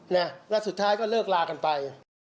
แล้วสุดท้ายก็เลิกลากันไป